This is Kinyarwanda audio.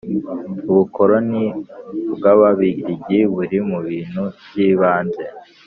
Ubukoloni bw ababirigi buri mu bintu by ibanze